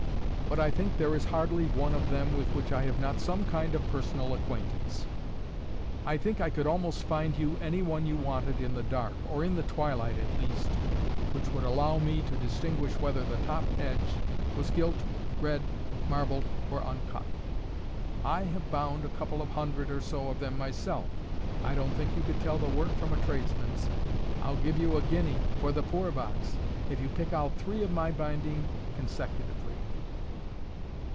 "But I think there is hardly one of them with which I have not some kind of personal acquaintance. I think I could almost find you any one you wanted in the dark, or in the twilight at least, which would allow me to distinguish whether the top edge was gilt, red, marbled, or uncut. I have bound a couple of hundred or so of them myself. I don't think you could tell the work from a tradesman's. I'll give you a guinea for the poor box if you pick out three of my binding consecutively."